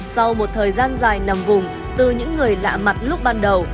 sau một thời gian dài nằm vùng từ những người lạ mặt lúc ban đầu